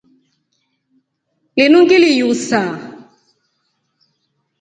Linu ngili yuusa.